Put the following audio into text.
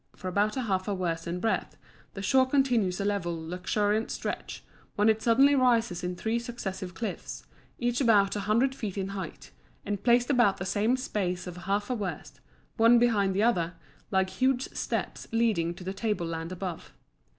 For about half a werst in breadth, the shore continues a level, luxuriant stretch, when it suddenly rises in three successive cliffs, each about a hundred feet in height, and placed about the same space of half a werst, one behind the other, like huge steps leading to the table land above.